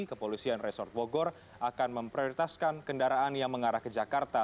kepolisian resort bogor akan memprioritaskan kendaraan yang mengarah ke jakarta